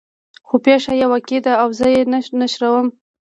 خو پېښه يې واقعي ده او زه یې نشروم.